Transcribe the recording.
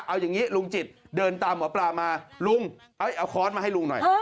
เอาอย่างนี้ลุงจิตเดินตามหมอปลามาลุงเอาค้อนมาให้ลุงหน่อย